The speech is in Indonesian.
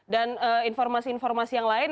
dan informasi informasi yang lain